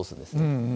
うん